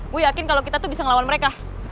gue yakin kalau kita tuh bisa ngelawan mereka